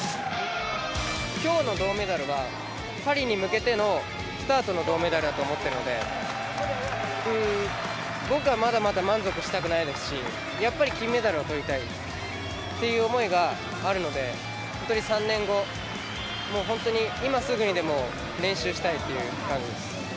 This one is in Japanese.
きょうの銅メダルは、パリに向けてのスタートの銅メダルだと思っているので、僕はまだまだ満足したくないですし、やっぱり金メダルをとりたいという思いがあるので、本当に３年後、もう本当に今すぐにでも練習したいという感じです。